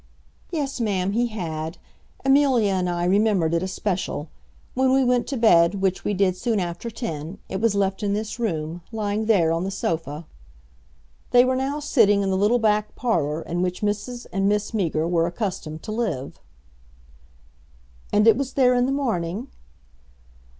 "Yes, Ma'am, he had. Amelia and I remembered it especial. When we went to bed, which we did soon after ten, it was left in this room, lying there on the sofa." They were now sitting in the little back parlour, in which Mrs. and Miss Meager were accustomed to live. "And it was there in the morning?"